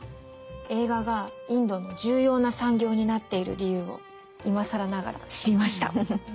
映画がインドの重要な産業になっている理由をいまさらながら知りました。